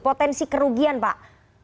potensi kerugian pak